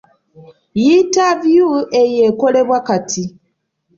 Yintaviyu eyo ekolebwa kati?